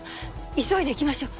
急いで行きましょう。